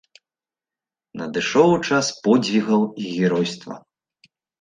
Надышоў час подзвігаў і геройства.